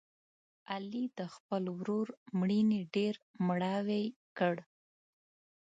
علي د خپل ورور مړینې ډېر مړاوی کړ.